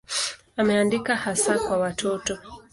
Ameandika hasa kwa watoto.